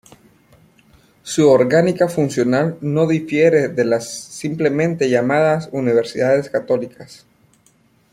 Su orgánica funcional no difiere de las simplemente llamadas universidades católicas.